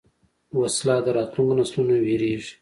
وسله د راتلونکو نسلونو وېرېږي